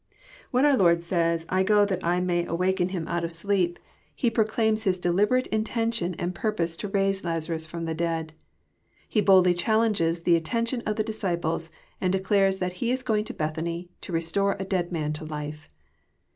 When our Lord says, <* I go that I may awaken him out of 250 EXFOSITOBT THOUGHTS. sleep," He proclaims His deliberate intention and purpose to raise Lazarus from the dead. He boldly challenges the attention of the disciples, and declares that He is going to Bethany, to restore a dead man to life.